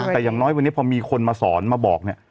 แต่อย่างน้อยวันนี้พอมีคนมาสอนมาบอกเนี่ย